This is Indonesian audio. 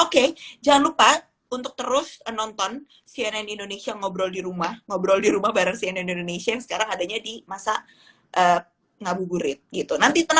kegilaan usaha sebuah kabupaten